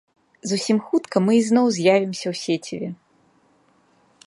Зусім хутка мы ізноў з'явімся ў сеціве!